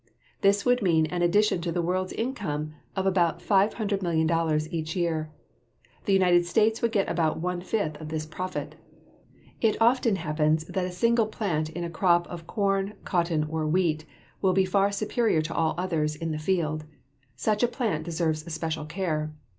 This would mean an addition to the world's income of about $500,000,000 each year. The United States would get about one fifth of this profit. It often happens that a single plant in a crop of corn, cotton, or wheat will be far superior to all others in the field. Such a plant deserves special care.